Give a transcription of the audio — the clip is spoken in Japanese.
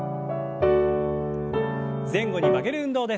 前後に曲げる運動です。